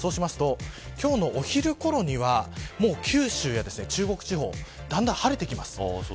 今日のお昼ごろには九州や中国地方だんだん晴れてきます。